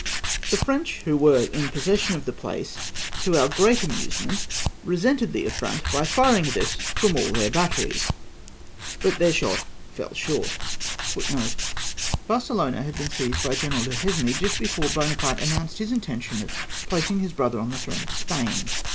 The French, who were in possession of the place *, to our great amusement re sented the affront by firing at us from all their batteries, * Barcelona had been seized by General Duliesme just before Buonaparte announced his intention of placing his brother on the throne of Spain.